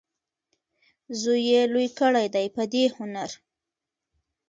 زوی یې لوی کړی دی په دې هنر.